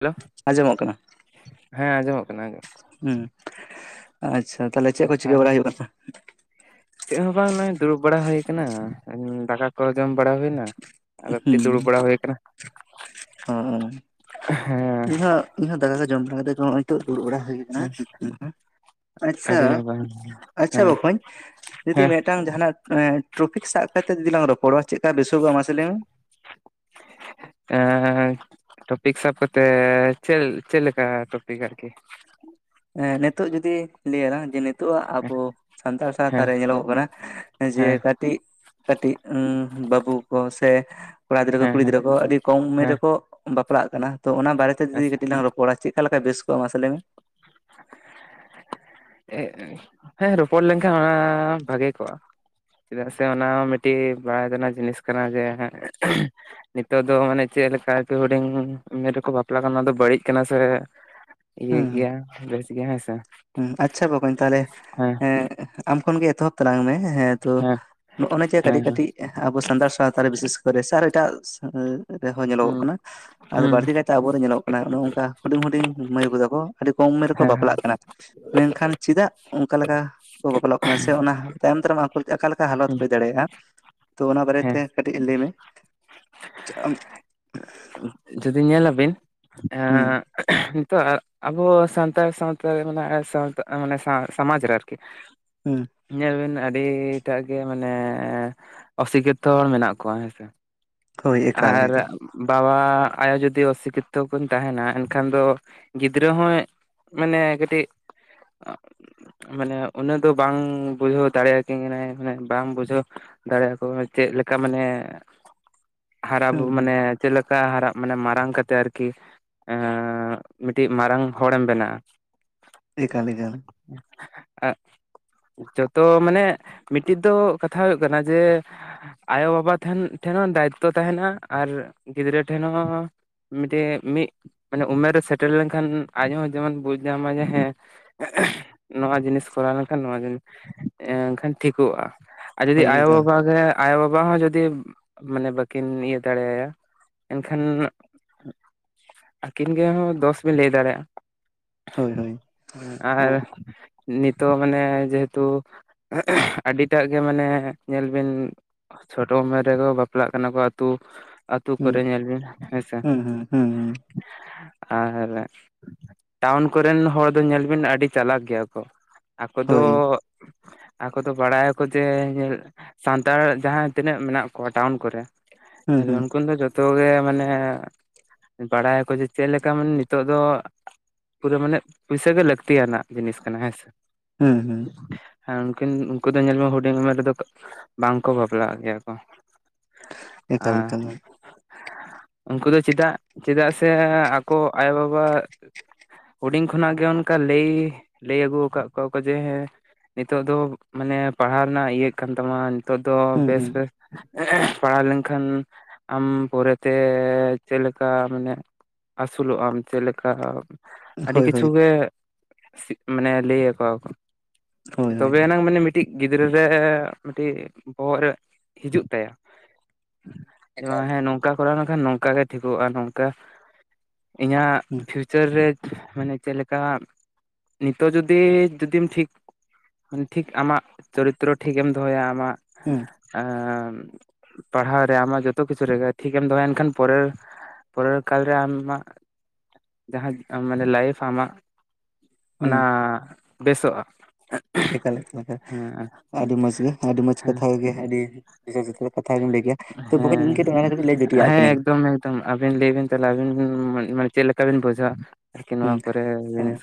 Hello ᱟᱸᱡᱚᱢᱚᱜ ᱠᱟᱱᱟ? ᱦᱮᱸ ᱟᱸᱚᱢᱚᱜ ᱠᱟᱱᱟ ᱟᱸᱡᱚᱢᱼᱟ᱾ ᱦᱩᱸ, ᱟᱪᱪᱷᱟ ᱛᱟᱦᱞᱮ ᱪᱮᱫ ᱠᱚ ᱪᱤᱠᱟᱹ ᱵᱟᱲᱟ ᱦᱩᱭᱩᱜ ᱠᱟᱱᱟ? ᱪᱮᱫ ᱦᱚᱸ ᱵᱟᱝ ᱱᱚᱜ-ᱚᱭ ᱫᱩᱲᱩᱵ ᱵᱟᱲᱟ ᱦᱩᱭ ᱠᱟᱱᱟ, ᱫᱟᱠᱟ ᱠᱚ ᱡᱚᱢ ᱵᱟᱲᱟ ᱦᱩᱭᱱᱟ᱾ ᱟᱫᱚ ᱮᱠᱴᱤ ᱦᱩᱸ ᱫᱩᱲᱩᱵ ᱵᱟᱲᱟ ᱦᱩᱭᱠᱟᱱᱟ᱾ ᱚ ᱤᱧᱦᱚᱸ, ᱤᱧᱦᱚᱸ ᱫᱟᱠᱟ ᱠᱚ ᱡᱚᱢ ᱵᱟᱲᱟ ᱠᱟᱛᱮᱜ ᱜᱮ ᱦᱚᱸᱜ-ᱚᱭ ᱱᱮᱛᱚᱜ ᱫᱩᱲᱩᱵᱟᱲᱟ ᱦᱩᱭ ᱟᱠᱟᱱᱟ᱾ ᱦᱮᱸ ᱟᱪᱪᱷᱟ ᱟᱹᱰᱤ ᱱᱟᱯᱟᱭ ᱟᱪᱪᱷᱟ ᱦᱮᱸ ᱵᱚᱠᱚᱸᱧ ᱡᱩᱫᱤ ᱢᱮᱫᱴᱟᱝ ᱡᱟᱦᱟᱱᱟᱜ ᱮᱸ ᱴᱚᱯᱤᱠ ᱥᱟᱵ ᱠᱟᱛᱮᱫ ᱡᱩᱫᱤ ᱞᱟᱝ ᱨᱚᱯᱚᱲᱚᱜᱼᱟ ᱪᱮᱫ ᱠᱟ ᱵᱮᱥᱚᱜᱚᱜᱼᱟ ᱢᱟᱥᱮ ᱞᱟᱹᱭ ᱢᱮ? ᱮᱸᱻᱮ ᱴᱚᱯᱤᱠ ᱥᱟᱵ ᱠᱟᱛᱮ ᱪᱮᱫᱞ ᱪᱮᱫ ᱞᱮᱠᱟ ᱴᱚᱯᱤᱠ ᱟᱨᱠᱤ? ᱦᱮᱸ ᱱᱤᱛᱚᱜ ᱡᱩᱫᱤ ᱞᱟᱹᱭᱟᱞᱟᱝ ᱡᱮ ᱱᱤᱛᱚ ᱟᱜ ᱟᱵᱚ ᱥᱟᱱᱛᱟᱲ ᱥᱟᱶᱛᱟ ᱦᱮᱸ ᱨᱮ ᱧᱮᱞᱚᱜᱚᱜ ᱠᱟᱱᱟ, ᱡᱮ ᱦᱮᱸ ᱠᱟᱴᱤᱡ ᱠᱟᱴᱤᱡ ᱩᱸ ᱵᱟᱹᱵᱩ ᱠᱚ ᱥᱮ ᱠᱚᱲᱟ ᱜᱤᱫᱽᱨᱟᱹ ᱠᱚ ᱦᱮᱸ ᱠᱩᱲᱤ ᱦᱮᱸ ᱜᱤᱫᱽᱨᱟᱹ ᱠᱚ ᱟᱹᱰᱤ ᱠᱚᱢ ᱩᱢᱮᱨ ᱦᱮᱸ ᱨᱮᱠᱚ ᱵᱟᱯᱞᱟᱜ ᱠᱟᱱᱟ ᱛᱚ᱾ ᱚᱱᱟ ᱵᱟᱨᱮᱛᱮ ᱡᱩᱫᱤ ᱟᱪᱪᱷᱟ ᱠᱟᱹᱴᱤᱡ ᱞᱟᱝ ᱨᱚᱯᱚᱲᱟ ᱪᱮᱫᱠᱟ ᱞᱮᱠᱟ ᱵᱮᱥ ᱠᱚᱜᱼᱟ, ᱢᱟᱥᱮ ᱞᱟᱹᱭ ᱢᱮ? ᱦᱮᱸ ᱨᱚᱯᱚᱲ ᱞᱮᱱᱠᱷᱟᱱ ᱚᱱᱟ ᱵᱷᱟᱜᱮ ᱠᱚᱜᱼᱟ᱾ ᱪᱮᱫᱟᱜ ᱥᱮ ᱚᱱᱟ ᱦᱚᱸ ᱢᱤᱫᱴᱤᱡ ᱵᱟᱲᱟᱭ ᱛᱮᱱᱟᱜ ᱡᱤᱱᱤᱥ ᱠᱟᱱᱟ ᱡᱮ ᱦᱟᱸᱜ [inaudible] ᱱᱤᱛᱚᱜ ᱫᱚ ᱢᱟᱱᱮ ᱪᱮᱫ ᱞᱮᱠᱟ ᱦᱩᱰᱤᱧ ᱩᱢᱮᱨ ᱨᱮᱠᱚ ᱵᱟᱯᱞᱟ ᱠᱟᱱ ᱚᱱᱟ ᱫᱚ ᱵᱟᱹᱲᱤᱡ ᱠᱟᱱᱟ ᱥᱮ? ᱤᱭᱟ ᱦᱩᱸ ᱜᱮᱭᱟ᱾ ᱵᱮᱥ ᱜᱮᱭᱟ ᱦᱮᱸ ᱥᱮ ᱦᱩᱸ ᱟᱪᱪᱷᱟ ᱵᱚᱠᱚᱧ ᱛᱟᱦᱞᱮ ᱦᱮᱸ ᱮᱸᱜ ᱟᱢ ᱠᱷᱚᱱ ᱜᱮ ᱮᱛᱚᱦᱚᱵ ᱛᱟᱞᱟᱝ ᱢᱮ ᱦᱮᱸ ᱛᱚ ᱱᱚᱜ-ᱱᱟ ᱡᱮ ᱦᱮᱸ ᱠᱟᱹᱴᱤᱡ ᱦᱮᱸ ᱠᱟᱹᱴᱤᱡ ᱟᱵᱚ ᱥᱟᱱᱛᱟᱲ ᱥᱟᱶ ᱛᱟ ᱨᱮ ᱵᱤᱥᱮᱥ ᱠᱚᱨᱮ ᱥᱟ ᱟᱨᱚ ᱮᱴᱟᱜ [inaudible] ᱨᱮᱦᱚᱸ ᱧᱮᱞᱚᱜᱚᱜ ᱦᱩᱸ ᱠᱟᱱᱟ, ᱟᱫᱚ ᱦᱩᱸ ᱵᱟᱲᱛᱤ ᱠᱟᱭᱛᱮ ᱟᱵᱚᱨᱮ ᱧᱮᱞᱚᱜᱚᱜ ᱠᱟᱱᱟ, ᱚᱱᱮ ᱚᱝᱠᱟ ᱦᱩᱰᱤᱧ-ᱦᱩᱰᱤᱧ ᱢᱟᱹᱭ ᱵᱩ ᱛᱟᱠᱚ ᱟᱹᱰᱤ ᱠᱚᱢ ᱩᱢᱮᱨ ᱨᱮᱠᱚ ᱦᱮᱸ ᱦᱮᱸ ᱵᱟᱯᱞᱟᱜ ᱠᱟᱱᱟ᱾ ᱢᱮᱱᱠᱷᱟᱱ ᱪᱮᱫᱟᱜ ᱚᱱᱠᱟ ᱞᱮᱠᱟ ᱠᱚ ᱵᱟᱯᱞᱟᱜ ᱠᱟᱱᱟ ᱥᱮ ᱚᱱᱟ ᱛᱟᱭᱚᱢ ᱫᱟᱨᱟᱢ ᱟᱠᱚ ᱚᱠᱟ ᱞᱮᱠᱟ ᱦᱟᱞᱚᱛ ᱦᱩᱸ ᱦᱩᱭ ᱫᱟᱲᱮᱭᱟᱜᱼᱟ? ᱛᱚ ᱚᱱᱟ ᱵᱟᱨᱮ ᱦᱮᱸ ᱛᱮ ᱠᱟᱹᱴᱤᱡ ᱞᱟᱹᱭ ᱢᱮ᱾ ᱟᱼᱼ ᱡᱩᱫᱤ ᱧᱮᱞᱟᱵᱤᱱ ᱦᱩᱸ ᱮᱸᱜ ᱱᱤᱛᱚᱜ-ᱟᱜ᱾ ᱟᱵᱚ ᱥᱟᱱᱛᱟᱲ ᱥᱟᱶᱛᱟ ᱨᱮ ᱢᱟᱱᱮᱜ-ᱟ ᱥᱟᱶᱛᱟ ᱢᱟᱱᱮ ᱥᱟᱶ ᱥᱚᱢᱟᱡᱽ ᱨᱮ ᱟᱨᱠᱤ, ᱦᱩᱸ, ᱧᱮᱞ ᱵᱮᱱ ᱟᱹᱰᱤᱴᱟᱜ ᱜᱮ ᱢᱟᱱᱮ ᱚᱥᱤᱠᱷᱤᱛᱚ ᱦᱚᱲ ᱢᱮᱱᱟᱜ ᱠᱚᱣᱟ ᱦᱮᱸᱥᱮ᱾ ᱦᱳᱭ ᱮᱠᱟᱞ ᱟᱨ, ᱮᱠᱟᱞ ᱵᱟᱵᱟ ᱟᱭᱳ ᱡᱩᱫᱤ ᱚᱥᱤᱠᱷᱤᱛᱚ ᱠᱤᱱ ᱛᱟᱦᱮᱱᱟ ᱮᱱᱠᱷᱟᱱ ᱫᱚ ᱜᱤᱫᱽᱨᱟᱹ ᱦᱚᱸᱭ ᱢᱟᱱᱮ ᱠᱟᱹᱴᱤᱡ, ᱢᱟᱱᱮ ᱩᱱᱟᱹᱜ ᱫᱚ ᱵᱟᱝ ᱵᱩᱡᱷᱟᱹᱣ ᱫᱟᱲᱮᱭᱟᱠᱤᱱ ᱠᱟᱱᱟᱭ᱾ ᱢᱟᱱᱮ ᱵᱟᱝ ᱵᱩᱡᱷᱟᱹᱣ, ᱫᱟᱲᱮᱭᱟᱠᱚ ᱪᱮᱫ ᱞᱮᱠᱟ ᱢᱟᱱᱮ ᱦᱟᱨᱟ ᱦᱩᱸ ᱵᱩᱨᱩ ᱦᱩᱸ ᱢᱟᱱᱮ ᱪᱮᱫ ᱞᱮᱠᱟ ᱦᱟᱨᱟᱜ ᱢᱟᱱᱮ ᱢᱟᱨᱟᱝ ᱠᱟᱛᱮᱜ ᱟᱨᱠᱤ᱾ ᱢᱤᱫᱴᱤᱡ ᱢᱟᱨᱟᱝ ᱦᱚᱲᱮᱢ ᱵᱮᱱᱟᱜᱼᱟ᱾ ᱮᱠᱟᱞᱻ ᱮᱠᱟᱞ᱾ ᱮᱸᱜ ᱡᱚᱛᱚ ᱢᱟᱱᱮ ᱢᱤᱫᱴᱤᱡ ᱫᱚ ᱠᱟᱛᱷᱟ ᱦᱩᱭᱩᱜ ᱠᱟᱱᱟ ᱡᱮ, ᱟᱭᱳᱻᱵᱟᱵᱟ ᱴᱷᱮᱱ, ᱴᱷᱮᱱ ᱦᱚᱸ ᱫᱟᱭᱤᱠᱛᱛᱚ ᱛᱟᱦᱮᱱᱟ ᱟᱨ ᱜᱤᱫᱽᱨᱟᱹ ᱴᱷᱮᱱ ᱦᱚᱸ ᱢᱤᱫᱴᱮᱜ ᱢᱤᱫ ᱢᱟᱱᱮ ᱩᱢᱮᱨ ᱨᱮ ᱥᱮᱴᱮᱨ ᱞᱮᱱᱠᱷᱟᱱ ᱟᱡ ᱦᱚᱸ ᱡᱮᱢᱚᱱ ᱵᱩᱡᱽ ᱧᱟᱢᱟᱭ ᱡᱮ ᱦᱮᱸ᱾ [inaudible] ᱱᱚᱣᱟ ᱡᱤᱱᱤᱥ ᱠᱚᱨᱟᱣ ᱞᱮᱱᱠᱷᱟᱱ ᱱᱚᱣᱟ ᱡᱤᱱᱤᱥ ᱮᱱᱠᱷᱟᱱ ᱴᱷᱤᱠᱚᱜᱼᱟ᱾ ᱟᱨ ᱡᱩᱫᱤ ᱦᱳᱭ ᱟᱭᱳ ᱮᱠᱟᱞ ᱵᱟᱵᱟ ᱜᱮ ᱟᱭᱳ ᱵᱟᱵᱟ ᱦᱚᱸ ᱡᱩᱫᱤ ᱢᱟᱱᱮ ᱵᱟᱹᱠᱼᱼ ᱠᱤᱱ ᱤᱭᱟᱹ ᱫᱟᱲᱮᱭᱟᱭᱟ ᱮᱱᱠᱷᱟᱱ, ᱟᱹᱠᱤᱱ ᱜᱮᱦᱚᱸ ᱫᱚᱥ ᱵᱤᱱ ᱞᱟᱹᱭ ᱫᱟᱲᱮᱭᱟᱜᱼᱟ᱾ ᱦᱳᱭ ᱦᱳᱭ᱾ ᱦᱮᱸ ᱚ ᱟᱨ ᱱᱤᱛᱚᱜ ᱢᱟᱱᱮ ᱡᱮᱦᱮᱛᱩ, ᱟᱹᱰᱤᱴᱟᱜ ᱜᱮ ᱢᱟᱱᱮ ᱧᱮᱞ ᱵᱤᱱ ᱪᱷᱳᱴᱳ ᱩᱢᱮᱨ ᱨᱮᱜᱮ ᱠᱚ ᱵᱟᱯᱞᱟᱜ ᱠᱟᱱᱟ ᱠᱚ ᱟᱛᱩ, ᱟᱛᱩ ᱦᱩᱸ ᱠᱚᱨᱮ ᱧᱮᱞ ᱵᱤᱱ ᱦᱮᱸᱥᱮ᱾ ᱦᱩᱸ ᱦᱩᱸ ᱦᱩᱸ ᱦᱩᱸ ᱟᱨ, ᱴᱟᱣᱩᱱ ᱠᱚᱨᱮᱱ ᱦᱚᱲ ᱫᱚ ᱧᱮᱞ ᱵᱤᱱ ᱟᱹᱰᱤ ᱪᱟᱞᱟᱠ ᱜᱮᱭᱟ ᱠᱚ᱾ ᱟᱠᱚ ᱫᱚ ᱦᱳᱭ ᱟᱠᱚ ᱫᱚ ᱵᱟᱲᱟᱭᱟᱠᱚ ᱡᱮ, ᱥᱟᱱᱛᱟᱲ ᱡᱟᱦᱟᱸ ᱛᱤᱱᱟᱹᱜ ᱢᱮᱱᱟᱜ ᱠᱚᱣᱟ ᱴᱟᱣᱩᱱ ᱠᱚᱨᱮ ᱦᱩᱸ ᱦᱩᱸ ᱩᱱᱠᱩ ᱫᱚ ᱡᱚᱛᱚ ᱜᱮ ᱢᱟᱱᱮ ᱵᱟᱲᱟᱭᱟᱠᱚ ᱡᱮ ᱪᱮᱫ ᱞᱮᱠᱟ ᱢᱟᱱᱮ ᱱᱤᱛᱚᱜ ᱫᱚ ᱯᱩᱨᱟᱹ ᱢᱟᱱᱮᱜ ᱯᱩᱭᱥᱟᱹ ᱜᱮ ᱞᱟᱹᱠᱛᱤ ᱭᱟᱱᱟᱜ ᱡᱤᱱᱤᱥ ᱠᱟᱱᱟ ᱦᱮᱸ ᱥᱮ᱾ ᱦᱩᱸ ᱦᱩᱸ ᱦᱮᱸ ᱩᱱᱠᱤᱱ ᱩᱱᱠᱩ ᱫᱚ ᱧᱮᱞ ᱢᱮ ᱦᱩᱰᱤᱧ ᱩᱢᱮᱨ ᱨᱮᱫᱚ ᱵᱟᱝ ᱠᱚ ᱵᱟᱯᱞᱟᱜ ᱜᱮᱭᱟ ᱠᱚ᱾ ᱮᱠᱟᱞ ᱟᱨ, ᱮᱠᱟᱞ ᱩᱱᱠᱩ ᱫᱚ ᱪᱮᱫᱟᱜ, ᱪᱮᱫᱟᱜ ᱥᱮ ᱟᱠᱚ ᱟᱭᱳᱼᱵᱟᱵᱟ ᱦᱩᱰᱤᱧ ᱠᱷᱚᱱᱟᱜ ᱜᱮ ᱚᱱᱠᱟ ᱞᱟᱹᱭ, ᱞᱟᱹᱭ ᱟᱹᱜᱩ ᱟᱠᱟᱜ ᱠᱚᱣᱟ ᱠᱚ ᱡᱮ ᱦᱮᱸ ᱱᱤᱛᱚᱜ ᱫᱚ ᱢᱟᱱᱮ ᱯᱟᱲᱦᱟᱣ ᱨᱮᱱᱟᱜ ᱤᱭᱟᱹ ᱠᱟᱱ ᱛᱟᱢᱟ ᱱᱤᱛᱚᱜ ᱫᱚ ᱦᱩᱸ ᱵᱮᱥ ᱵᱮᱥ ᱦᱩᱸ ᱯᱟᱲᱦᱟᱣ ᱞᱮᱱᱠᱷᱟᱱ ᱟᱢ ᱯᱚᱨᱮᱛᱮ ᱪᱮᱫ ᱞᱮᱠᱟ ᱢᱟᱱᱮ, ᱟᱹᱥᱩᱞᱚᱜ ᱟᱢ ᱪᱮᱫ ᱞᱮᱠᱟ? ᱟᱹᱰᱤ ᱦᱳᱭ ᱦᱳᱭ ᱠᱤᱪᱷᱩ ᱜᱮ ᱢᱟᱱᱮ ᱞᱟᱹᱭ ᱟᱠᱚ ᱣᱟᱠᱚ ᱦᱳᱭ ᱦᱳᱭ ᱛᱚᱵᱮᱭᱱᱟᱝ ᱢᱟᱱᱮ ᱢᱤᱫᱴᱤᱡ ᱜᱤᱫᱽᱨᱟᱹ ᱨᱮ ᱢᱤᱫᱴᱤᱡ ᱵᱚᱦᱚᱜ ᱨᱮ ᱦᱤᱡᱩᱜ ᱛᱟᱭᱟ᱾ ᱡᱮ ᱮᱠᱟᱞ ᱵᱟᱝ ᱦᱮᱸ ᱱᱚᱝᱠᱟ ᱠᱚᱨᱟᱣ ᱞᱮᱱᱠᱷᱟᱱ ᱱᱚᱝᱠᱟ ᱜᱮ ᱴᱷᱤᱠᱚᱜᱼᱟ ᱱᱚᱝᱠᱟ ᱤᱧᱟᱹᱜ ᱦᱩᱸ ᱯᱷᱤᱭᱩᱪᱟᱨ ᱨᱮ ᱢᱟᱱᱮ ᱪᱮᱫ ᱞᱮᱠᱟ ᱱᱤᱛᱚᱜ ᱡᱩᱫᱤ, ᱡᱩᱫᱤᱢ ᱴᱷᱤᱠ ᱴᱷᱤᱠ ᱟᱢᱟᱜ ᱪᱚᱨᱤᱛᱨᱚ ᱴᱷᱤᱠᱮᱢ ᱫᱚᱦᱚᱭᱟ ᱟᱢᱟᱜ ᱦᱩᱸ᱾ ᱮ ᱯᱟᱲᱦᱟᱣ ᱨᱮ ᱟᱢᱟᱜ ᱡᱚᱛᱚ ᱠᱤᱪᱷᱩ ᱨᱮᱜᱮ ᱴᱷᱤᱠᱮᱢ ᱫᱚᱦᱚᱭ ᱮᱱ ᱠᱷᱟᱱ ᱯᱚᱨᱮᱨ ᱯᱚᱨᱮᱨ ᱠᱟᱞᱨᱮ ᱟᱢᱟᱜ ᱡᱟᱦᱟᱸ ᱢᱟᱱᱮ ᱞᱟᱭᱤᱯᱷ ᱟᱢᱟᱜ ᱦᱩᱸ ᱚᱱᱟ ᱵᱮᱥᱚᱜᱼᱟ᱾ ᱮᱠᱟᱞ ᱮᱠᱟᱞ ᱦᱮᱸ ᱟᱹᱰᱤ ᱢᱚᱡᱽ ᱜᱮ ᱟᱹᱰᱤ ᱢᱚᱡᱽ ᱦᱮᱸ ᱠᱟᱛᱷᱟ ᱠᱚᱜᱮ ᱟᱹᱰᱤ ᱡᱚᱛᱷᱟᱛ ᱠᱟᱛᱷᱟ ᱜᱮᱢ ᱞᱟᱹᱭ ᱠᱮᱜᱼᱟ᱾ ᱛᱚ ᱵᱚᱠᱚᱧ ᱤᱧ ᱠᱟᱹᱴᱤᱡ ᱚᱱᱟ ᱨᱮ ᱠᱟᱹᱴᱤᱡ ᱞᱟᱹᱭ ᱡᱩᱴᱤᱡᱟᱜ ᱠᱟᱹᱱᱟᱹᱧ ᱟᱹᱵᱤᱱ ᱞᱟᱹᱭ ᱵᱤᱱ ᱛᱟᱦᱞᱮ ᱟᱹᱵᱤᱱ ᱢᱟᱱᱮ ᱪᱮᱫ ᱞᱮᱠᱟ ᱵᱤᱱ ᱵᱩᱡᱷᱟᱹᱣᱟ ᱟᱨᱠᱤ ᱦᱩᱸ ᱱᱚᱣᱟ ᱠᱚᱨᱮ ᱦᱮᱸ ᱡᱤᱱᱤᱥ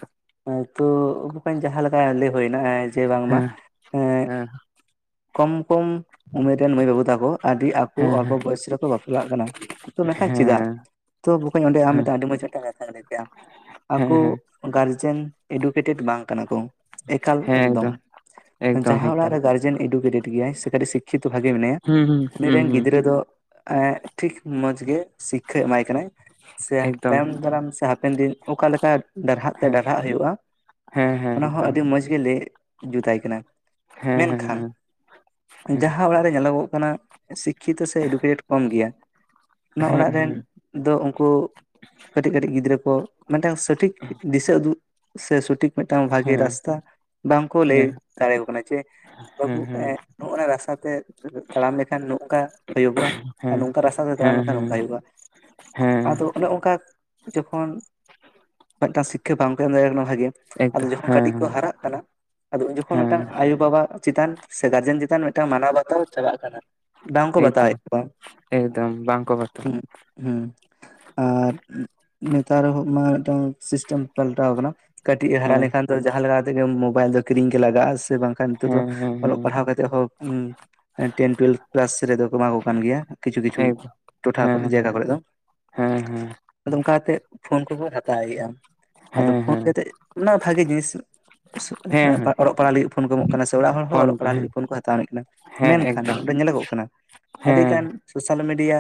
ᱛᱚ ᱵᱚᱸᱠᱚᱧ ᱡᱟᱦᱟᱸ ᱞᱮᱠᱟ ᱞᱟᱹᱭ ᱦᱳᱮᱱᱟ ᱡᱮ ᱵᱟᱝᱢᱟ ᱦᱮᱸ ᱦᱮᱸ ᱠᱚᱢ ᱠᱚᱢ ᱩᱢᱮᱨ ᱨᱮᱱ ᱢᱟᱹᱭ ᱵᱟᱹᱵᱩ ᱛᱟᱠᱚ ᱟᱹᱰᱤ ᱟᱠᱚ ᱦᱮᱸ ᱚᱞᱯᱚ ᱦᱮᱸ ᱵᱚᱭᱚᱥ ᱨᱮᱠᱚ ᱵᱟᱯᱞᱟᱜ ᱠᱟᱱᱟ ᱛᱚ ᱢᱮᱱᱠᱷᱟᱱ ᱪᱮᱫᱟᱜ ᱛᱚ ᱵᱚᱠᱚᱧ ᱚᱸᱰᱮ ᱟᱢ ᱦᱮᱸ ᱟᱹᱰᱤ ᱢᱚᱸᱡᱽ ᱢᱤᱫᱴᱟᱝ ᱠᱟᱛᱷᱟᱢ ᱞᱟᱹᱭ ᱠᱮᱜᱟ [unintelligible] ᱦᱮᱸ ᱟᱠᱚ ᱦᱮᱸ ᱦᱮᱸ ᱜᱟᱨᱡᱮᱱ ᱮᱰᱩᱠᱮᱴᱮᱴ ᱵᱟᱝ ᱠᱟᱱᱟ ᱠᱚ ᱮᱠᱟᱞ ᱮᱠᱫᱚᱢ ᱮᱠᱫᱚᱢ ᱡᱟᱦᱟᱸ ᱚᱲᱟᱜ ᱮᱠᱫᱚᱢ ᱨᱮ ᱮᱰᱩᱠᱮᱴᱮᱴ ᱜᱮᱭᱟᱭ ᱥᱮ ᱠᱟᱹᱴᱤᱡ ᱥᱤᱠᱠᱷᱤᱛᱚ ᱵᱷᱟᱜᱮ ᱢᱮᱱᱟᱭᱟ ᱦᱩᱸ ᱦᱩᱸ ᱩᱱᱤ ᱦᱩᱸ ᱨᱮᱱ ᱦᱩᱸ ᱜᱤᱫᱽᱨᱟᱹ ᱫᱚ ᱴᱷᱤᱠ ᱢᱚᱸᱡᱽ ᱜᱮ ᱥᱤᱠᱷᱟᱹᱭ ᱮᱢᱟᱭ ᱠᱟᱱᱟᱭ ᱥᱮ ᱮᱠᱫᱚᱢ ᱛᱟᱭᱚᱢ ᱫᱟᱨᱟᱢ ᱥᱮ ᱦᱟᱯᱮᱱ ᱫᱤᱱ ᱚᱠᱟᱮ ᱞᱮᱠᱟ ᱰᱟᱨᱦᱟᱜ ᱛᱮ ᱦᱮᱸ ᱰᱟᱨᱦᱟᱜ ᱦᱳᱭᱳᱜᱼᱟ ᱦᱮᱸ ᱦᱮᱸ ᱮᱠᱫᱚᱢ ᱟᱹᱰᱤ ᱢᱚᱸᱡᱽ ᱜᱮ ᱞᱮᱭ ᱡᱩᱛᱟᱭ ᱠᱟᱱᱟᱭ ᱦᱮᱸ ᱦᱮᱸ ᱦᱮᱸ ᱦᱮᱸ ᱡᱟᱦᱟᱸ ᱚᱲᱟᱜ ᱨᱮ ᱧᱮᱞᱚᱜᱚᱜ ᱠᱟᱱᱟ ᱥᱤᱠᱠᱷᱤᱛᱚ ᱥᱮ ᱮᱰᱩᱠᱮᱴᱮᱴ ᱠᱚᱢ ᱜᱮᱭᱟ ᱚᱱᱟ ᱦᱮᱸ ᱚᱲᱟᱜ ᱦᱮᱸ ᱨᱮᱱ ᱫᱚ ᱩᱱᱠᱩ ᱠᱟᱹᱴᱤᱡ ᱠᱟᱹᱴᱤᱡ ᱜᱤᱫᱽᱨᱟᱹ ᱠᱚ ᱢᱤᱫᱴᱟᱝ ᱥᱚᱴᱷᱤᱠ ᱫᱤᱥᱟᱹ ᱩᱫᱩᱜ ᱥᱮ ᱥᱚᱴᱷᱤᱠ ᱢᱤᱫᱴᱟᱝ ᱵᱷᱟᱜᱮ ᱦᱮᱸ ᱨᱟᱥᱛᱟ ᱵᱟᱝᱠᱚ ᱞᱟᱹᱭ ᱦᱮᱸ ᱫᱟᱲᱮ ᱟᱠᱚ ᱠᱟᱱᱟ ᱡᱮ ᱵᱟᱹᱵᱩ ᱦᱮᱸ ᱱᱚᱜ ᱱᱟ ᱨᱟᱥᱛᱟ ᱛᱮ ᱛᱟᱲᱟᱢ ᱞᱮᱠᱷᱟᱱ ᱱᱚᱝᱠᱟ ᱦᱳᱭᱳᱜᱚᱜᱼᱟ ᱟᱨ ᱱᱚᱝᱠᱟ ᱨᱟᱥᱛᱟ ᱛᱮ ᱛᱟᱲᱟᱢ ᱦᱮᱸ ᱞᱮᱠᱷᱟᱱ ᱦᱮᱸ ᱱᱚᱝᱠᱟ ᱦᱩᱭᱩᱜᱼᱟ ᱦᱮᱸ ᱟᱫᱚ ᱚᱱᱮ ᱚᱱᱠᱟ ᱡᱚᱠᱷᱚᱱ ᱢᱤᱫᱴᱟᱝ ᱥᱤᱠᱷᱟᱹ ᱵᱟᱝ ᱠᱚ ᱮᱢ ᱫᱟᱲᱮ ᱟᱠᱚ ᱠᱟᱱᱟ ᱵᱷᱟᱜᱤ ᱟᱫᱚ ᱮᱠᱫᱚᱢ ᱡᱚᱠᱷᱚᱱ ᱠᱟᱹᱴᱤᱡ ᱠᱚ ᱦᱮᱸ ᱦᱟᱨᱟᱜ ᱠᱟᱱᱟ ᱟᱫᱚ ᱩᱱ ᱡᱚᱠᱷᱚᱱ ᱦᱮᱸ ᱢᱤᱫᱴᱟᱝ ᱟᱭᱳ ᱵᱟᱵᱟ ᱪᱮᱛᱟᱱ ᱥᱮ ᱜᱟᱨᱡᱮᱱ ᱪᱮᱛᱟᱱ ᱢᱤᱫᱴᱟᱝ ᱢᱟᱱᱟᱣ ᱵᱟᱛᱟᱣ ᱪᱟᱵᱟᱜ ᱠᱟᱱᱟ ᱵᱟᱝ ᱠᱚ ᱵᱟᱛᱟᱣ [unintelligible] ᱮᱠᱫᱚᱢ ᱮᱫ ᱠᱚᱣᱟ ᱮᱠᱫᱚᱢ ᱵᱟᱝᱠᱚ ᱵᱟᱛᱟᱣᱟ ᱦᱩᱸ ᱦᱩᱸ ᱟᱨ ᱱᱮᱛᱟᱨ ᱦᱚᱸ ᱢᱟ ᱢᱤᱫᱴᱟᱝ ᱥᱤᱥᱴᱮᱢ ᱯᱟᱞᱴᱟᱣ ᱟᱠᱟᱱᱟ ᱠᱟᱹᱴᱤᱡ ᱦᱟᱨᱟ ᱦᱮᱸ ᱞᱮᱱᱠᱷᱟᱱ ᱫᱚ ᱡᱟᱦᱟᱸ ᱛᱮᱜᱮ ᱢᱳᱵᱟᱭᱤᱞ ᱫᱚ ᱠᱤᱨᱤᱧ ᱜᱮ ᱞᱟᱜᱟᱜᱼᱟ ᱥᱮ ᱵᱟᱝᱠᱷᱟᱱ ᱱᱤᱛᱚᱜ ᱫᱚ ᱦᱮᱸ ᱦᱮᱸ ᱚᱞᱚᱜ ᱦᱮᱸ ᱯᱟᱲᱦᱟᱣ ᱠᱟᱛᱮᱜ ᱦᱚᱸ ᱴᱮᱱ ᱴᱩᱭᱮᱞᱵᱷ ᱠᱞᱟᱥ ᱨᱮᱫᱚ ᱠᱚ ᱮᱢᱟ ᱠᱚ ᱠᱟᱱ ᱜᱮᱭᱟ ᱠᱤᱪᱷᱩ ᱠᱤᱪᱷᱩ ᱮᱠᱫᱚᱢ ᱴᱚᱴᱷᱟ ᱠᱚᱨᱮ ᱦᱮᱸ ᱡᱟᱭᱜᱟ ᱠᱚᱨᱮᱜ ᱫᱚ ᱦᱮᱸ ᱦᱮᱸ ᱟᱫᱚ ᱚᱱᱠᱟ ᱠᱟᱛᱮᱫ ᱯᱷᱳᱱ ᱠᱚᱠᱚ ᱦᱟᱛᱟᱣᱮᱜᱼᱟ ᱟᱫᱚ ᱦᱮᱸ ᱦᱮᱸ ᱯᱷᱳᱱ ᱦᱮᱸ ᱠᱟᱛᱮᱫ ᱢᱟ ᱵᱷᱟᱜᱮ ᱡᱤᱱᱤᱥ ᱦᱮᱸ ᱦᱮᱸ ᱚᱞᱚᱜ ᱯᱟᱲᱦᱟᱜ ᱞᱟᱹᱜᱤᱫ ᱯᱷᱳᱱ ᱠᱚ ᱮᱢᱚᱜ ᱠᱟᱱᱟ ᱚᱲᱟᱜ ᱦᱚᱲ ᱦᱚᱸ ᱯᱷᱳᱱ ᱚᱞᱚᱜ ᱯᱟᱲᱦᱟᱜ ᱦᱮᱸ ᱞᱟᱹᱜᱤᱫ ᱯᱷᱳᱱ ᱠᱚ ᱦᱟᱛᱟᱣ ᱟᱹᱱᱤᱡ ᱠᱟᱱᱟ ᱦᱮᱸ ᱢᱮᱱᱠᱷᱟᱱ ᱮᱠᱫᱚᱢ ᱧᱮᱞᱚᱜᱚᱜ ᱠᱟᱱᱟ ᱟᱹᱰᱤᱜᱟᱱ ᱦᱮᱸ ᱥᱳᱥᱟᱞ ᱢᱤᱰᱤᱭᱟ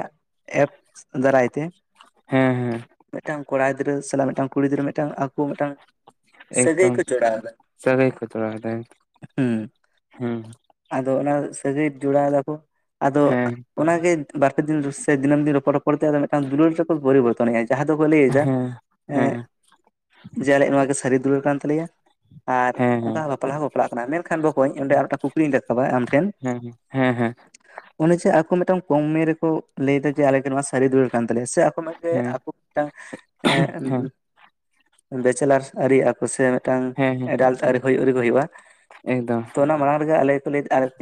ᱮᱯᱥ ᱫᱟᱨᱟᱭ ᱛᱮ ᱦᱮᱸ ᱦᱮᱸ ᱢᱤᱫᱴᱟᱝ ᱠᱚᱲᱟ ᱜᱤᱫᱽᱨᱟᱹ ᱥᱟᱞᱟᱜ ᱢᱤᱫᱴᱟᱝ ᱠᱩᱲᱤ ᱜᱤᱫᱽᱨᱟᱹ ᱢᱤᱫᱴᱟᱝ ᱟᱠᱚ ᱢᱤᱫᱴᱟᱝ ᱥᱟᱹᱜᱟᱹᱭ ᱮᱫᱚᱢ ᱠᱚ ᱡᱚᱲᱟᱣ ᱮᱫᱟ ᱥᱟᱹᱜᱟᱹᱭ ᱠᱚ ᱡᱚᱲᱟᱣ ᱮᱫᱟ ᱦᱩᱸ ᱦᱩᱸ ᱟᱫᱚ ᱚᱱᱟ ᱥᱟᱹᱜᱟᱹᱭ ᱡᱚᱲᱟᱣ ᱫᱟᱠᱚ ᱟᱫᱚ ᱦᱮᱸ ᱚᱱᱟᱜᱮ ᱵᱟᱨ ᱯᱮ ᱫᱤᱱ ᱥᱮ ᱫᱤᱱᱟᱹᱢ ᱫᱤᱱ ᱨᱚᱯᱚᱲ ᱨᱚᱯᱚᱲ ᱛᱮ ᱢᱤᱫᱴᱟᱝ ᱫᱩᱞᱟᱹᱲ ᱯᱚᱨᱤᱵᱚᱨᱛᱚᱱ ᱡᱟᱦᱟᱸ ᱫᱚᱠᱚ ᱞᱟᱹᱭ ᱮᱫᱟ ᱦᱮᱸ ᱦᱮᱸ ᱮᱸᱜ ᱡᱮ ᱟᱞᱮᱭᱟᱜ ᱱᱚᱣᱟ ᱜᱮ ᱥᱟᱹᱨᱤ ᱫᱩᱞᱟᱹᱲ ᱠᱟᱱ ᱛᱟᱞᱮᱭᱟ ᱟᱨ ᱦᱮᱸ ᱦᱮᱸ ᱚᱱᱠᱟ ᱦᱮᱸ ᱵᱟᱯᱞᱟ ᱦᱚᱸᱠᱚ ᱵᱟᱯᱞᱟᱜ ᱠᱟᱱᱟ ᱠᱷᱟᱱ ᱵᱚᱠᱚᱧ ᱚᱸᱰᱮ ᱟᱨ ᱢᱤᱫᱴᱟᱝ ᱠᱩᱠᱞᱤᱧ ᱨᱟᱠᱟᱵᱟ ᱟᱢ ᱴᱷᱮᱱ ᱦᱮᱸ ᱦᱮᱸ ᱦᱮᱸ ᱚᱱᱮ ᱡᱮ ᱟᱠᱚ ᱢᱤᱫᱴᱟᱝ ᱠᱚᱢ ᱩᱢᱮ ᱨᱮᱠᱚ ᱞᱟᱹᱭ ᱮᱫᱟ ᱡᱮ ᱟᱞᱮ ᱜᱮ ᱱᱚᱶᱟ ᱥᱟᱹᱨᱤ ᱫᱩᱞᱟᱹᱲ ᱠᱟᱱ ᱛᱟᱞᱮᱭᱟ ᱥᱮ ᱜᱮ ᱦᱮᱸ ᱟᱠᱚ ᱢᱤᱫᱴᱟᱝ ᱦᱮᱸ ᱵᱮᱪᱮᱞᱟᱨ ᱟᱹᱨᱤ ᱟᱠᱚ ᱥᱮ ᱢᱤᱫᱴᱟᱝ ᱦᱮᱸ ᱮᱰᱟᱞᱴ ᱟᱹᱣᱨᱤ ᱦᱩᱭᱩᱜ ᱨᱮᱜᱮ ᱦᱩᱭᱩᱜᱼᱟ ᱮᱠᱫᱚᱢ ᱛᱚ ᱚᱱᱟ ᱢᱟᱲᱟᱝ ᱨᱮᱜᱮ ᱟᱞᱮ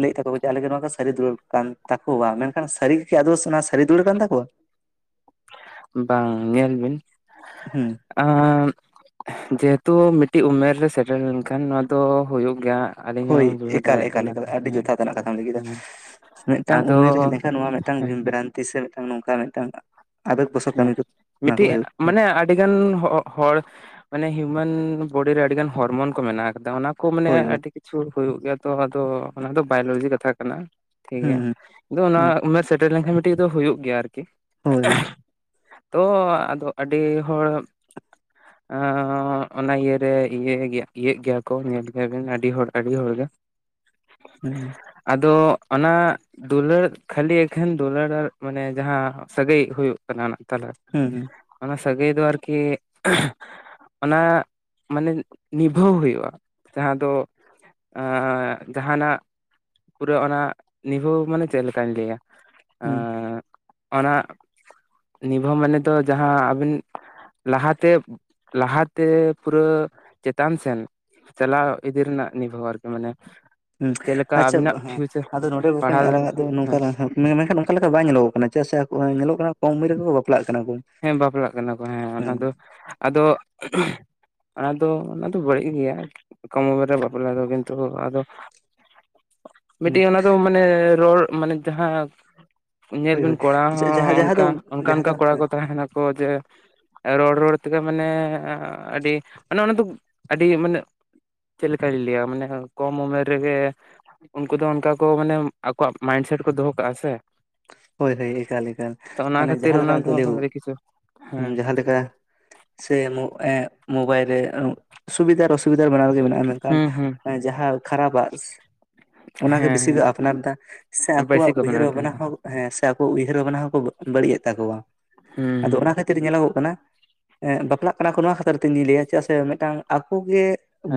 ᱞᱟᱹᱭ ᱮᱫᱟ ᱛᱟᱠᱚᱣᱟ ᱟᱞᱮ ᱱᱚᱣᱟ ᱜᱮ ᱥᱟᱹᱨᱤ ᱫᱩᱞᱟᱹᱲ ᱠᱟᱱ ᱛᱟᱠᱚᱣᱟ ᱢᱮᱱᱠᱷᱟᱱ ᱥᱟᱹᱨᱤ ᱟᱫᱚ ᱚᱱᱟ ᱥᱟᱹᱨᱤ ᱫᱩᱞᱟᱹᱲ ᱠᱟᱱ ᱛᱟᱠᱚᱣᱟ ᱵᱟᱝ ᱧᱮᱞ ᱵᱤᱱ ᱦᱩᱸ ᱮᱸᱫ ᱡᱮᱦᱚᱛᱩ ᱢᱤᱫᱴᱤᱡ ᱩᱢᱮᱨ ᱨᱮ ᱥᱮᱴᱮᱨ ᱞᱮᱱᱠᱷᱟᱱ ᱱᱚᱣᱟ ᱫᱚ ᱦᱩᱭᱩᱜ ᱜᱮᱭᱟ ᱟᱹᱞᱤᱧ ᱦᱳᱭ ᱦᱚᱸ ᱵᱩᱡᱷᱟᱹᱣ ᱫᱟᱲᱮᱭᱟᱜ ᱠᱟᱱᱟ ᱮᱠᱟᱞᱻᱮᱠᱟᱞᱻᱮᱠᱟᱞ ᱟᱹᱰᱤ ᱦᱮᱸ ᱡᱚᱛᱷᱟᱛ ᱟᱱᱟᱜ ᱠᱟᱛᱷᱟᱢ ᱞᱟᱹᱭ ᱠᱮᱫᱟ ᱦᱮᱸ ᱾ ᱢᱤᱫᱴᱟᱝ ᱟᱫᱚ ᱩᱢᱮᱨ ᱦᱮᱡ ᱞᱮᱱᱠᱷᱟᱱ ᱱᱚᱣᱟ ᱢᱤᱫᱴᱟᱝ ᱦᱮᱸ ᱦᱮᱸ ᱵᱷᱤᱢᱵᱷᱨᱟᱱᱛᱤ ᱥᱮ ᱢᱤᱫᱴᱟᱝ ᱱᱚᱝᱠᱟ ᱢᱤᱫᱴᱟᱝ ᱟᱵᱜ ᱵᱚᱥ ᱠᱟᱹᱢᱤ ᱠᱚ ᱚᱱᱟ ᱠᱚ ᱦᱩᱭᱩᱜ [unintelligible] ᱟᱹᱰᱤ ᱜᱟᱱ ᱦᱚᱲ ᱢᱟᱱᱮ ᱦᱤᱭᱩᱢᱮᱱ ᱵᱚᱰᱤ ᱨᱮ ᱟᱹᱰᱤ ᱜᱟᱱ ᱦᱚᱨᱢᱚᱱ ᱠᱚ ᱢᱮᱱᱟᱜ ᱠᱟᱫᱟ ᱚᱱᱟ ᱠᱚ ᱢᱟᱱᱮ ᱦᱳᱭ ᱦᱳᱭ ᱟᱹᱰᱤ ᱠᱤᱪᱷᱩ ᱦᱩᱭᱩᱜ ᱜᱮᱭᱟ, ᱛᱚ ᱟᱫᱚ ᱚᱱᱟ ᱫᱚ ᱵᱟᱭᱳᱞᱚᱡᱤ ᱠᱟᱛᱷᱟ ᱠᱟᱱᱟ ᱴᱷᱤᱠ ᱜᱮᱭᱟ ᱦᱩᱸ ᱾ ᱟᱫᱚ ᱚᱱᱟ ᱦᱩᱸ ᱩᱢᱮᱨ ᱥᱮᱴᱮᱨ ᱞᱮᱱᱠᱷᱟᱱ ᱢᱤᱫᱴᱮᱡ ᱫᱚ ᱦᱩᱭᱩᱜ ᱜᱮᱭᱟ ᱟᱨᱠᱤ ᱾ ᱦᱳᱭ ᱦᱳᱭ ᱛᱚ ᱟᱫᱚ ᱟᱹᱰᱤ ᱦᱚᱲ ᱚᱻᱚᱱᱟ ᱤᱭᱟᱹᱨᱮ ᱤᱭᱟᱹ ᱤᱭᱟᱹᱜ ᱜᱮᱭᱟ ᱠᱚ ᱧᱮᱞ ᱜᱮᱭᱟ ᱵᱤᱱ ᱟᱹᱰᱤ ᱦᱚᱲ ᱟᱹᱰᱤ ᱦᱚᱲ ᱜᱮ ᱦᱩᱸ ᱟᱫᱚ ᱚᱱᱟ ᱫᱩᱞᱟᱹᱲ ᱠᱷᱟᱹᱞᱤ ᱮᱠᱷᱮᱱ ᱫᱩᱞᱟᱹᱲ ᱢᱟᱱᱮ ᱡᱟᱦᱟᱸ ᱥᱟᱹᱜᱟᱹᱭ ᱦᱩᱭᱩᱜ ᱠᱟᱱᱟ ᱚᱱᱟ ᱛᱟᱞᱟ ᱾ ᱦᱩᱸᱻᱦᱩᱸ᱾ ᱚᱱᱟ ᱥᱟᱹᱜᱟᱹᱭ ᱫᱚ ᱟᱨᱠᱤ ᱚᱱᱟ ᱢᱟᱱᱮ ᱱᱤᱵᱷᱟᱹᱣ ᱦᱩᱭᱩᱜᱼᱟ ᱡᱟᱦᱟᱸ ᱫᱚ ᱡᱟᱦᱟᱸᱱᱟᱼᱜ ᱯᱩᱨᱟᱹ ᱚᱱᱟ ᱱᱤᱵᱷᱟᱹᱣ ᱢᱟᱱᱮ ᱪᱮᱫ ᱞᱮᱠᱟᱧ ᱞᱟᱹᱭᱟ ᱦᱩᱸ ᱚᱱᱟ ᱱᱤᱵᱷᱟᱹᱣ ᱢᱟᱱᱮ ᱫᱚ ᱡᱟᱦᱟᱸ ᱟᱵᱤᱱ ᱞᱟᱦᱟ ᱛᱮ ᱞᱟᱦᱟ ᱛᱮ ᱯᱩᱨᱟᱹ ᱪᱮᱛᱟᱱ ᱥᱮᱱ ᱪᱟᱞᱟᱣ ᱤᱫᱤ ᱨᱮᱱᱟᱜ ᱱᱤᱵᱷᱟᱹᱣ ᱾ ᱟᱨᱠᱤ ᱢᱟᱱᱮ ᱦᱩᱸ ᱪᱮᱫ ᱞᱮᱠᱟ ᱟᱪᱪᱷᱟ ᱟᱵᱤᱱᱟᱜ ᱦᱮᱸ ᱯᱷᱤᱭᱩᱪᱟᱨ ᱟᱫᱚ ᱱᱚᱰᱮ ᱵᱚᱠᱚᱧ ᱯᱟᱲᱦᱟᱣ ᱟᱞᱟᱝ ᱟᱜ ᱫᱚ ᱦᱮᱸ ᱱᱚᱝᱠᱟᱱᱼᱟᱜ ᱢᱮᱱᱠᱷᱟᱱ ᱚᱱᱠᱟ ᱞᱮᱠᱟ ᱵᱟᱝ ᱧᱮᱞᱚᱜᱼᱚᱜ ᱠᱟᱱᱟ ᱪᱮᱫ ᱥᱮ ᱧᱮᱞᱚᱜ ᱠᱟᱱᱟ ᱠᱚᱢ ᱩᱢᱮᱨ ᱨᱮᱜᱮ ᱠᱚ ᱵᱟᱯᱞᱟᱜ ᱠᱟᱱᱟ ᱠᱚ᱾ ᱦᱮᱸ ᱵᱟᱯᱞᱟᱜ ᱠᱟᱱᱟ ᱠᱚ ᱦᱮᱸ ᱚᱱᱟ ᱦᱩᱸ ᱫᱚ ᱟᱫᱚ ᱟᱫᱚ ᱚᱱᱟᱫᱚ ᱵᱟᱹᱲᱤᱡ ᱜᱮᱭᱟ᱾ ᱠᱚᱢ ᱩᱢᱮᱨ ᱨᱮ ᱵᱟᱯᱞᱟ ᱫᱚ᱾ ᱠᱤᱱᱛᱩ ᱟᱫᱚ ᱦᱩᱸ ᱢᱤᱫᱴᱤᱡ ᱚᱱᱟ ᱫᱚ ᱢᱟᱱᱮ ᱨᱚᱲ ᱢᱟᱱᱮ ᱡᱟᱦᱟᱸ ᱧᱮᱞ ᱦᱳᱭ ᱵᱤᱱ ᱦᱳᱭ ᱠᱚᱲᱟ ᱦᱚᱸ ᱡᱟᱦᱟᱸ ᱡᱟᱦᱟᱸ ᱫᱚ ᱚᱱᱠᱟ ᱚᱱᱠᱟᱱ ᱡᱟᱦᱟᱸ ᱠᱚ ᱫᱚ ᱠᱚᱲᱟ ᱠᱚ ᱦᱮᱸ ᱛᱟᱦᱮᱸ ᱱᱟᱠᱚ ᱡᱮ ᱨᱚᱲ ᱨᱚᱲ ᱛᱮᱜᱮ ᱢᱟᱱᱮ ᱟᱹᱰᱤ ᱢᱟᱱᱮ ᱚᱱᱟ ᱫᱚ ᱟᱹᱰᱤ ᱢᱟᱱᱮ ᱪᱮᱫ ᱠᱟᱹᱧ ᱞᱟᱹᱭᱟ ᱢᱟᱱᱮ ᱠᱚᱢ ᱩᱢᱮᱨ ᱨᱮᱜᱮ ᱩᱱᱠᱩ ᱫᱚ ᱚᱱᱠᱟ ᱠᱚ ᱢᱟᱱᱮ ᱟᱠᱚᱣᱟᱜ ᱢᱟᱭᱤᱱᱰᱥᱮᱴ ᱠᱚ ᱫᱚᱦᱚ ᱠᱟᱜᱼᱟ ᱥᱮ᱾ ᱦᱳᱭ ᱦᱳᱭ ᱮᱠᱟᱞ ᱮᱠᱟᱞ ᱛᱚ ᱚᱱᱟ ᱢᱟᱱᱮ ᱠᱷᱟᱹᱛᱤᱨ ᱡᱟᱦᱟᱸ ᱞᱮᱠᱟ ᱚᱱᱟ ᱫᱚ ᱞᱟᱹᱭᱚᱜ᱾ ᱟᱹᱰᱤ ᱠᱤᱪᱷᱩ ᱦᱮᱸ ᱡᱟᱦᱟᱸᱮᱠᱟ ᱥᱮ ᱮᱸᱻ ᱢᱳᱵᱟᱭᱤᱞ ᱨᱮ ᱥᱩᱵᱤᱫᱷᱟ [unintelligible] ᱥᱩᱵᱤᱫᱷᱟ ᱵᱟᱱᱟᱨ ᱜᱮ ᱢᱮᱱᱟᱜᱼᱟ᱾ ᱢᱮᱱᱠᱷᱟᱱ ᱦᱩᱸ ᱦᱩᱸ ᱡᱟᱦᱟᱸ ᱠᱷᱟᱨᱟᱯᱟᱜ ᱚᱱᱟᱜᱮ ᱦᱮᱸ ᱵᱮᱥᱤ ᱠᱚ ᱦᱮᱸ ᱟᱯᱱᱟᱨᱫᱟ ᱥᱮ ᱵᱟᱹᱭᱥᱤ ᱟᱠᱚᱣᱟᱜ ᱠᱚ ᱩᱭᱦᱟᱹᱨ ᱵᱮᱱᱟᱣ ᱮᱫᱟ ᱵᱷᱟᱵᱱᱟ ᱮᱠᱫᱚᱢ ᱦᱚᱸ ᱦᱮᱸ ᱥᱮ ᱟᱠᱚ ᱩᱭᱦᱟᱹᱨ ᱵᱷᱟᱵᱱᱟ ᱦᱚᱸᱠᱚ ᱵᱟᱹᱲᱤᱡᱮᱜ ᱛᱟᱠᱚᱣᱟ᱾ ᱟᱫᱚ ᱦᱩᱸ ᱚᱱᱟ ᱠᱷᱟᱹᱛᱤᱨ ᱠᱷᱟᱹᱛᱤᱨ ᱧᱮᱞᱚᱜᱼᱚᱜ ᱠᱟᱱᱟ ᱵᱟᱯᱞᱟᱜ ᱠᱟᱱᱟ ᱠᱚ, ᱱᱚᱣᱟ ᱠᱷᱟᱹᱛᱤᱨ ᱛᱮ ᱤᱧᱤᱧ ᱞᱟᱹᱭ ᱟ ᱪᱮᱫᱟᱜ ᱥᱮ ᱢᱤᱫᱴᱟᱝ ᱟᱠᱚ ᱜᱮ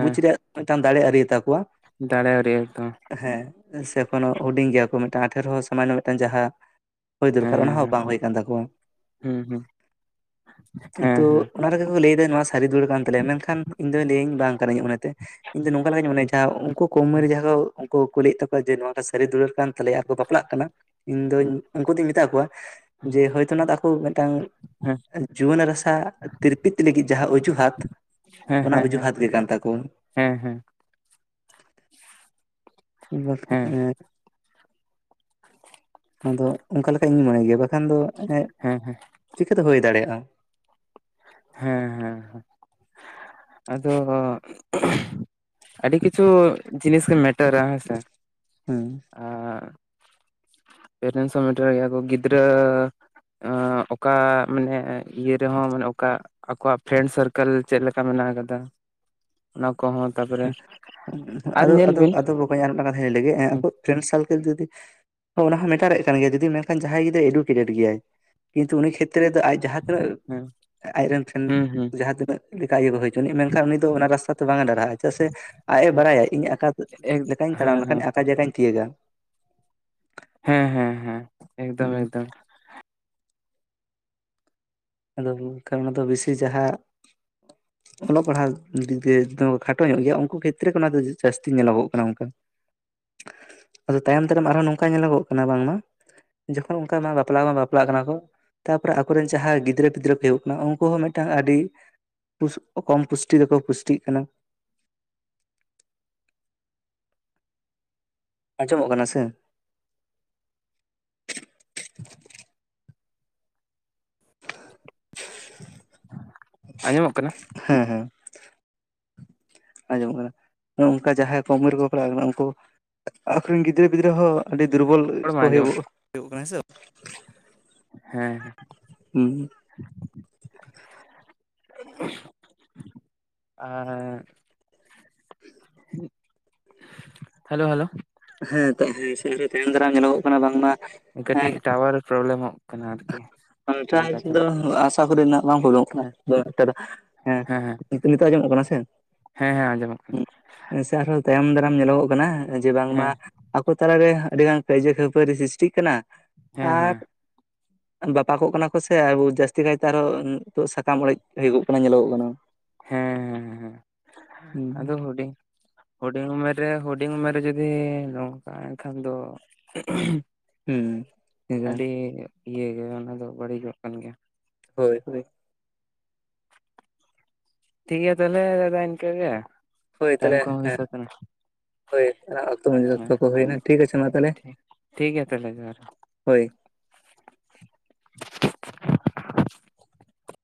ᱵᱩᱡ ᱨᱮᱭᱟᱜ ᱢᱤᱫᱴᱟᱝ ᱫᱟᱲᱮ ᱟᱹᱣᱨᱤ ᱟᱛᱟᱠᱚᱣᱟ ᱾ ᱫᱟᱲᱮ ᱨᱮᱭᱟᱜ ᱮᱠᱫᱚᱢ ᱾ ᱦᱮᱸ ᱥᱮ ᱮᱠᱷᱱᱳ ᱦᱩᱰᱤᱧ ᱜᱮᱭᱟ ᱠᱚ ᱢᱤᱫᱴᱟᱱ ᱟᱴᱷᱮᱨᱚ ᱥᱟᱢᱟᱱᱱᱚ ᱢᱤᱫᱴᱟᱱ ᱡᱟᱦᱟᱸ ᱦᱳᱭ ᱦᱮᱸ ᱫᱚᱨᱠᱟᱨ ᱚᱱᱟ ᱦᱮᱸ ᱦᱚᱸ ᱦᱮᱸ ᱵᱟᱝ ᱦᱩᱭ ᱠᱟᱱ ᱛᱟᱠᱚᱣᱟ᱾ ᱦᱩᱸ ᱦᱩᱸ ᱦᱮᱸ ᱠᱤᱱᱛᱩ ᱦᱮᱸ ᱚᱱᱟ ᱨᱮᱜᱮ ᱠᱚ ᱞᱟᱹᱭᱮᱫᱟ᱾ ᱱᱚᱣᱟ ᱥᱟᱹᱨᱤ ᱫᱩᱞᱟᱹᱲ ᱠᱟᱱ ᱛᱟᱞᱮᱭᱟ᱾ ᱢᱮᱱᱠᱷᱟᱱ ᱤᱧ ᱫᱚ ᱞᱟᱹᱭᱟᱹᱧ ᱵᱟᱝ ᱠᱟᱱᱟ ᱤᱧᱟᱜ ᱢᱚᱱᱮᱛᱮ ᱾ ᱤᱧ ᱫᱚ ᱱᱚᱝᱠᱟ ᱞᱮᱠᱟᱧ ᱢᱚᱱᱮᱭᱟ᱾ ᱡᱟᱦᱟᱸ ᱩᱱᱠᱩ ᱠᱚᱢ ᱩᱢᱮᱨ ᱨᱮᱜᱮ ᱡᱟᱦᱟᱸ ᱠᱚ ᱩᱱᱠᱩ ᱠᱩᱞᱤᱭᱮᱫ ᱛᱟᱠᱚᱣᱟ ᱡᱮ ᱱᱚᱣᱟᱴᱟᱜ ᱥᱟᱹᱨᱤ ᱫᱩᱞᱟᱹᱲ ᱠᱟᱱ ᱛᱟᱞᱮᱭᱟ ᱟᱨᱠᱚ ᱵᱟᱯᱞᱟᱜ ᱠᱟᱱᱟ᱾ ᱤᱧ ᱫᱚᱧ ᱩᱱᱠᱩ ᱫᱚᱧ ᱢᱮᱛᱟ ᱠᱚᱣᱟ᱾ ᱡᱮ ᱦᱚᱭᱛᱳ ᱱᱚᱣᱟ ᱫᱚ ᱟᱠᱚ ᱢᱤᱫᱴᱟᱝ ᱦᱮᱸ ᱡᱩᱣᱟᱹᱱ ᱨᱟᱥᱟ ᱛᱤᱨᱯᱤᱛ ᱞᱟᱹᱜᱤᱫ ᱡᱟᱦᱟᱸ ᱚᱡᱩᱦᱟᱛ ᱚᱱᱟ ᱚᱡᱩᱦᱟᱛ ᱜᱮ ᱠᱟᱱ ᱛᱟᱠᱚᱣᱟ᱾ ᱦᱮᱸᱻᱦᱮᱸ᱾ ᱵᱟᱛ ᱠᱟᱛᱮ ᱟᱫᱚ ᱚᱱᱠᱟ ᱞᱮᱠᱟ ᱤᱧ ᱢᱚᱱᱮ ᱜᱮᱭᱟ᱾ ᱵᱟᱠᱷᱟᱱ ᱫᱚ ᱦᱮᱸ ᱦᱮᱸ ᱪᱤᱠᱟᱹᱛᱮ ᱦᱩᱭ ᱫᱟᱲᱮᱭᱟᱜᱼᱟ? ᱦᱮᱸᱻᱦᱮᱸᱻᱮᱸ, ᱟᱫᱚ ᱟᱹᱰᱤ ᱠᱤᱪᱷᱩ ᱡᱤᱱᱤᱥ ᱜᱮ ᱢᱮᱴᱟᱨᱟ ᱦᱮᱸᱥᱮ᱾ ᱦᱮᱸ ᱟᱻ ᱟᱻᱟ ᱯᱮᱨᱮᱴᱥ ᱦᱚ ᱢᱮᱴᱟᱨ ᱜᱮᱭᱟ ᱠᱚ ᱜᱤᱫᱽᱨᱟᱹ ᱟᱻ ᱚᱠᱟ ᱢᱟᱱᱮ ᱤᱭᱟᱹ ᱨᱮᱦᱚᱸ ᱢᱟᱱᱮ ᱚᱠᱟ ᱟᱠᱚᱣᱟᱜ ᱯᱷᱨᱮᱱᱰ ᱥᱟᱨᱠᱮᱞ ᱪᱮᱫ ᱞᱮᱠᱟ ᱢᱮᱱᱟᱜ ᱟᱠᱟᱫᱟ᱾ ᱚᱱᱟ ᱠᱚᱦᱚᱸ ᱛᱟᱯᱚᱨᱮ ᱟᱨ ᱟᱫᱚ ᱧᱮᱞ ᱟᱫᱚ ᱵᱤᱱ᱾ ᱟᱫᱚ ᱟᱨ ᱢᱤᱫᱴᱟᱝ ᱠᱟᱛᱷᱟᱧ ᱞᱟᱹᱭ ᱞᱮᱜᱮ ᱦᱩᱸ ᱯᱷᱨᱮᱱᱰ ᱥᱟᱨᱠᱮᱞ ᱡᱩᱫᱤ ᱚ ᱚᱱᱟ ᱦᱚᱸ ᱢᱮᱴᱟᱨ ᱮ ᱠᱟᱱ ᱜᱮᱭᱟ᱾ ᱡᱩᱫᱤ ᱢᱮᱱᱠᱷᱟᱱ ᱡᱟᱦᱟᱸᱭ ᱜᱤᱫᱽᱨᱟ ᱮᱰᱩᱠᱮᱴᱮᱴ ᱜᱮᱭᱟᱭ᱾ ᱠᱤᱱᱛᱩ ᱩᱱᱤ ᱠᱷᱮᱛᱨᱮ ᱨᱮᱫᱚ ᱟᱡ ᱡᱟᱦᱟᱸ ᱛᱤᱱᱟᱹᱜ ᱦᱩᱸ ᱟᱡᱨᱮᱱ ᱴᱷᱮᱱ ᱦᱩᱸ ᱦᱩᱸ ᱡᱟᱦᱟᱸ ᱛᱤᱱᱟᱹᱜ ᱞᱮᱠᱟ ᱤᱭᱟᱹ ᱠᱚ ᱦᱩᱭ ᱦᱚᱪᱚᱱᱤᱡ ᱢᱮᱱᱠᱷᱟᱱ ᱩᱱᱤ ᱫᱚ ᱚᱱᱟ ᱨᱟᱥᱛᱟ ᱛᱮ ᱵᱟᱝ-ᱮ ᱰᱟᱦᱨᱟᱜ-ᱟᱭ᱾ ᱪᱮᱫᱟᱜ ᱥᱮ ᱟᱡ ᱮ ᱦᱩᱸ ᱵᱟᱲᱟᱭᱟ ᱤᱧ ᱟᱠᱟ ᱮᱠ ᱞᱮᱠᱟᱧ ᱦᱮᱸ ᱛᱟᱲᱟᱢ ᱞᱮᱠᱷᱟᱱ ᱦᱮᱸ ᱟᱠᱟ ᱡᱟᱭᱜᱟᱧ ᱛᱤᱭᱩᱜᱟ᱾ ᱦᱮᱸ ᱦᱮᱸ ᱦᱮᱸ ᱮᱠᱫᱚᱢ ᱦᱩᱸ ᱮᱠᱫᱚᱢ, ᱟᱫᱚ ᱠᱷᱟᱱ ᱚᱱᱟ ᱫᱚ ᱵᱮᱥᱤ ᱡᱟᱦᱟᱸ [unintelligible] ᱚᱞᱚᱜ ᱯᱟᱲᱦᱟᱜ ᱫᱤᱠᱮ ᱛᱚ ᱠᱷᱟᱴᱚ ᱧᱚᱜ ᱜᱮᱭᱟ ᱩᱱᱠᱩ ᱠᱷᱮᱛᱨᱮ ᱚᱱᱟ ᱫᱚ ᱡᱟᱹᱥᱛᱤ ᱧᱮᱞᱚᱜᱚᱜ ᱠᱟᱱᱟ᱾ ᱚᱱᱠᱟ [unintelligible] ᱟᱫᱚ ᱛᱟᱭᱚᱢ ᱫᱟᱨᱟᱢ ᱟᱨᱦᱚᱸ ᱱᱚᱝᱠᱟ ᱧᱮᱞᱚᱜᱚᱜ ᱠᱟᱱᱟ᱾ ᱵᱟᱝᱢᱟ ᱡᱚᱠᱷᱚᱱ ᱚᱱᱠᱟ ᱵᱟᱯᱞᱟ ᱢᱟ ᱵᱟᱯᱞᱟᱜ ᱠᱟᱱᱟ ᱠᱚ, ᱛᱟᱯᱚᱨᱮ ᱟᱠᱚᱨᱮᱱ ᱡᱟᱦᱟᱸ ᱜᱤᱫᱽᱨᱟᱹ ᱯᱤᱫᱽᱨᱟᱹ ᱠᱚ ᱦᱩᱭᱩᱜᱚᱜ ᱠᱟᱱᱟ᱾ ᱩᱱᱠᱩ ᱦᱚᱸ ᱢᱤᱫᱴᱟᱝ ᱟᱹᱰᱤ ᱠᱚᱢ ᱯᱩᱥᱴᱤ ᱨᱮᱠᱚ ᱯᱩᱥᱴᱤᱜ ᱠᱟᱱᱟ᱾ ᱟᱸᱡᱚᱢᱚᱜ ᱠᱟᱱᱟ ᱥᱮ? ᱟᱸᱡᱚᱢᱚᱜ ᱠᱟᱱᱟ? ᱦᱮᱸ ᱦᱮᱸ ᱟᱸᱡᱚᱢ ᱠᱟᱱᱟ ᱱᱚᱝᱠᱟ ᱡᱟᱦᱟᱸᱭ ᱠᱚᱢ ᱩᱢᱮᱨ ᱨᱮᱠᱚ ᱵᱟᱯᱞᱟ ᱠᱟᱱᱟ᱾ ᱩᱱᱠᱩ ᱟᱠᱚ ᱨᱤᱱ ᱜᱤᱫᱽᱨᱟᱹ ᱯᱤᱫᱽᱨᱟᱹ ᱦᱚ--ᱸ ᱟᱹᱰᱤ ᱫᱩᱨᱵᱚᱞ ᱨᱚᱲ ᱢᱟ ᱠᱚ ᱦᱩᱭᱩᱜ ᱟᱸᱡᱚᱢᱚᱜ ᱦᱩᱭᱩᱜ ᱠᱟᱱᱟ ᱦᱮᱸ ᱥᱮ ᱵᱟᱝ? ᱦᱮᱸ ᱦᱮᱸ ᱟᱸᱻ [inaudible] ᱦᱮᱞᱳ ᱦᱮᱞᱳ ᱦᱮᱸ ᱛᱚ ᱦᱮᱸ ᱥᱮ ᱛᱟᱭᱚᱢ ᱫᱟᱨᱟ ᱧᱮᱞᱚᱜᱚᱜ ᱠᱟᱱᱟ ᱵᱟᱝᱢᱟ ᱦᱮᱸ ᱠᱟᱹᱴᱤᱡ ᱴᱟᱣᱟᱨ ᱯᱨᱚᱵᱞᱮᱢᱚᱜ ᱠᱟᱱᱟ ᱟᱨᱠᱤ ᱪᱮᱫᱠᱟ ᱛᱚ ᱚ ᱠᱚᱨᱮᱱᱟᱜ ᱵᱟᱝ ᱠᱚᱡᱚᱢᱚᱜ ᱠᱟᱱᱟᱢ ᱮᱠᱴᱟ ᱦᱮᱸ ᱱᱤᱛᱳ ᱟᱸᱡᱚᱢᱚᱜ ᱠᱟᱱᱟ ᱥᱮ ᱦᱮᱸ ᱦᱮᱸ ᱚᱡᱚᱢᱚᱜ ᱦᱮ ᱥᱮ ᱟᱨᱦᱚᱸ ᱛᱟᱭᱚᱢ ᱫᱟᱨᱟᱢ ᱧᱮᱞᱚᱜᱚᱜ ᱠᱟᱱᱟ ᱡᱮ ᱦᱮᱸ ᱵᱟᱝᱢᱟ ᱟᱠᱚ ᱛᱟᱞᱟᱨᱮ ᱟᱹᱰᱤ ᱜᱟᱱ ᱠᱟᱹᱭᱡᱟᱹ ᱠᱷᱟᱹᱯᱟᱹᱨᱤ ᱥᱨᱤᱥᱴᱤᱜ ᱠᱟᱱᱟ ᱦᱮᱸ ᱟᱨ ᱦᱮᱸ ᱵᱟᱯᱟᱠᱚᱜ ᱠᱟᱱᱟ ᱠᱚ ᱥᱮ ᱡᱟᱹᱥᱛᱤ ᱠᱟᱭᱛᱮ ᱟᱨᱦᱚᱸ ᱱᱤᱛᱚᱜ ᱥᱟᱠᱟᱢ ᱚᱲᱮᱡ ᱦᱩᱭᱩᱜᱚᱜ ᱠᱟᱱᱟ, ᱧᱮᱞᱚᱜᱚᱜ ᱠᱟᱱᱟ᱾ ᱦᱮᱸ ᱦᱮᱸ ᱦᱩᱸ ᱟᱫᱚ ᱦᱩᱰᱤᱧ ᱦᱩᱰᱤᱧ ᱩᱢᱮᱨ ᱨᱮ ᱦᱩᱰᱤᱧ ᱩᱢᱮᱨ ᱨᱮ ᱡᱩᱫᱤ ᱱᱚᱝᱠᱟ ᱮᱱᱠᱷᱟᱱ ᱫᱚ ᱟᱹᱰᱤ ᱦᱩᱸ ᱤᱭᱟᱹ ᱜᱮ ᱚᱱᱟ ᱫᱚ ᱵᱟᱹᱲᱤᱡᱚᱜ ᱠᱟᱱ ᱜᱮᱭᱟ᱾ ᱦᱳᱭ ᱦᱳᱭ ᱴᱷᱤᱠ ᱜᱮᱭᱟ ᱛᱟᱦᱞᱮ ᱫᱟᱫᱟ ᱤᱱᱠᱟᱹᱜ ᱜᱮ ᱦᱳᱭ ᱴᱟᱭᱤᱢ ᱛᱟᱦᱚᱞᱮ ᱠᱚᱦᱚ ᱦᱳᱭ ᱦᱮᱸ ᱥᱟᱹᱛ ᱮᱱᱟ ᱦᱳᱭ ᱚᱱᱟ ᱚᱠᱛᱚ ᱢᱟᱡ ᱚᱠᱛᱚ ᱦᱮᱸ ᱠᱚ ᱦᱩᱭᱱᱟ ᱴᱷᱤᱠ ᱟᱪᱷᱮ ᱢᱟ ᱛᱟᱦᱚᱞᱮ ᱴᱷᱤᱠ ᱴᱷᱤᱠ ᱜᱮᱭᱟ ᱛᱟᱦᱚᱞᱮ ᱡᱚᱦᱟᱨ ᱦᱳᱭ